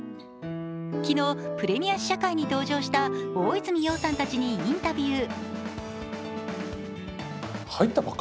昨日プレミア試写会に登場した大泉洋さんたちにインタビュー。